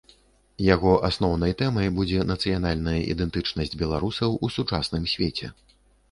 Яго асноўнай тэмай будзе нацыянальная ідэнтычнасць беларусаў у сучасным свеце.